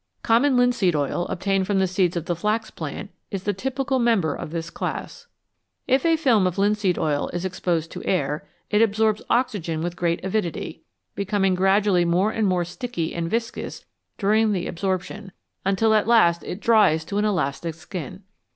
Common linseed oil, obtained from the seeds of the flax plant, is the typical member of this class. If a film of linseed oil is exposed to air it absorbs oxygen with great avidity, becoming gradually more and more sticky and viscous during the absorption, until at last it dries to an elastic skin.